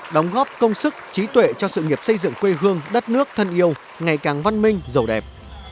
đóng góp công sức trí tuệ cho sự nghiệp xây dựng quê hương đất nước thân yêu ngày càng văn minh giàu đẹp